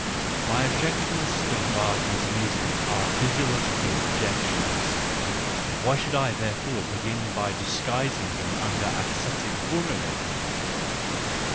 —My objections to Wagner's music are physiological objections. Why should I therefore begin by disguising them under aesthetic formulae?